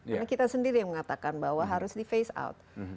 karena kita sendiri yang mengatakan bahwa harus di face out